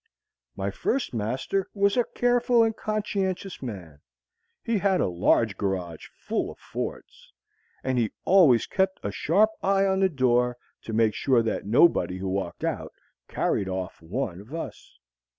My first master was a careful and conscientious man. He had a large garage full of fords, and he always kept a sharp eye on the door to make sure that nobody who walked out carried off one of us.